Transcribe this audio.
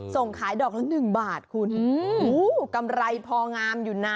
ส่งขายดอกละ๑บาทคุณอู้วกำไรพองามอยู่น่ะ